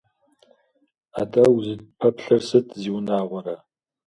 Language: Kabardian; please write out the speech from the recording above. Атӏэ, узыпэплъэр сыт, зиунагъуэрэ!